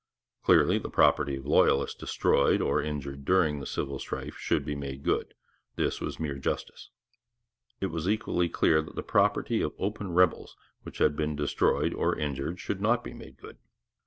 Clearly, the property of loyalists destroyed or injured during the civil strife should be made good. This was mere justice. It was equally clear that the property of open rebels which had been destroyed or injured should not be made good.